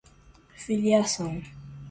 filiação